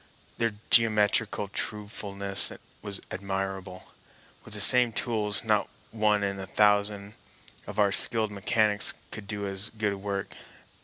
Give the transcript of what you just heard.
Their geometrical truthfulness was admirable. With the same tools not one in a thousand of our skilled mechanics could do as good work.